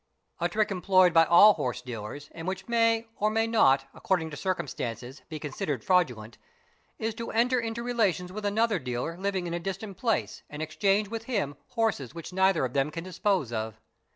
A trick employed by all horse dealers and which may or may not, according to circumstances, be considered fraudulent, is to enter into relations with another dealer living in a distant place and exchange with him horses which neither of them can dispose of.